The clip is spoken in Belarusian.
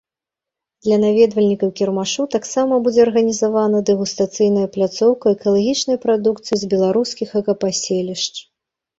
Для наведвальнікаў кірмашу таксама будзе арганізавана дэгустацыйная пляцоўка экалагічнай прадукцыі з беларускіх экапаселішча.